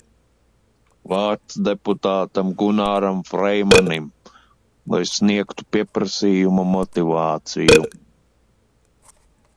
Vārds deputātam Gunāram Freimanim, lai sniegtu pieprasījuma motivāciju.